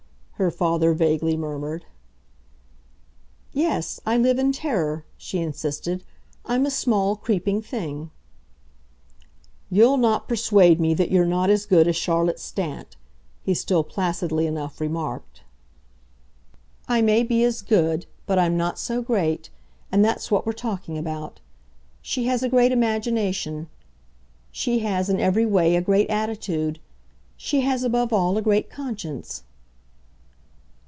her father vaguely murmured. "Yes, I live in terror," she insisted. "I'm a small creeping thing." "You'll not persuade me that you're not as good as Charlotte Stant," he still placidly enough remarked. "I may be as good, but I'm not so great and that's what we're talking about. She has a great imagination. She has, in every way, a great attitude. She has above all a great conscience."